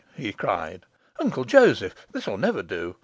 he cried. 'Uncle Joseph! This'll never do.